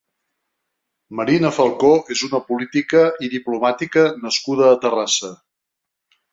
Marina Falcó és una política i diplomàtica nascuda a Terrassa.